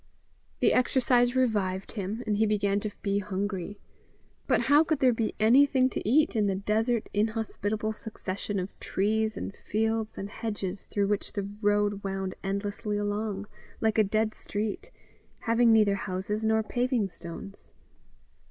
The exercise revived him, and he began to be hungry. But how could there be anything to eat in the desert, inhospitable succession of trees and fields and hedges, through which the road wound endlessly along, like a dead street, having neither houses nor paving stones?